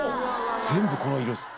全部この色です